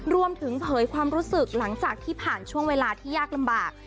เผยความรู้สึกหลังจากที่ผ่านช่วงเวลาที่ยากลำบาก